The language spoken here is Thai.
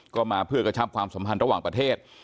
ก็มาเพื่อกระชับความสัมพันธ์ระหว่างประเทศ